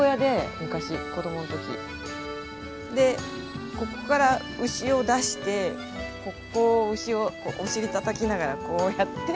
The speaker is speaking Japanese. でここから牛を出してここを牛をお尻たたきながらこうやって。